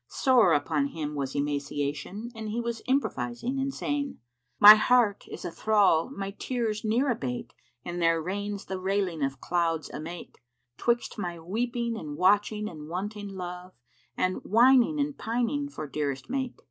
Sore upon him was emaciation and he was improvising and saying, "My heart is a thrall; my tears ne'er abate * And their rains the railing of clouds amate; 'Twixt my weeping and watching and wanting love; * And whining and pining for dearest mate.